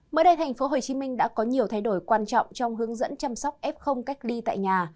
mới đây tp hcm đã có nhiều thay đổi quan trọng trong hướng dẫn chăm sóc f cách ly tại nhà